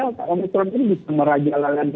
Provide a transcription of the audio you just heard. delta dan omnitron ini bisa meragakan